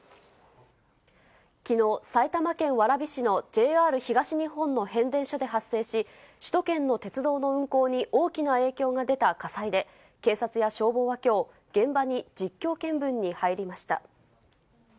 きのう、埼玉県蕨市のＪＲ東日本の変電所で発生し、首都圏の鉄道の運行に大きな影響が出た火災で、警察や消防はきょう、現場に実況見分に入りました。